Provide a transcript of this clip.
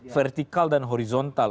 vertikal dan horizontal